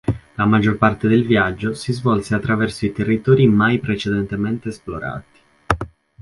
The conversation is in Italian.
La maggior parte del viaggio si svolse attraverso territori mai precedentemente esplorati.